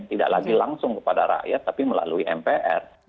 tidak lagi langsung kepada rakyat tapi melalui mpr